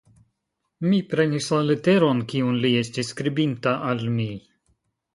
Mi prenis la leteron, kiun li estis skribinta al mi.